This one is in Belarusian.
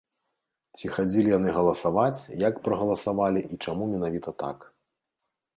Ці хадзілі яны галасаваць, як прагаласавалі і чаму менавіта так.